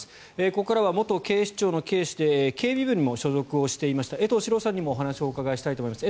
ここからは元警視庁警視で警備部にも所属していました江藤史朗さんにもお話をお伺いしたいと思います。